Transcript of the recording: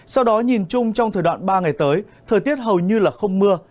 sau đó nhìn chung trong thời đoạn ba ngày tới thời tiết hầu như là không mưa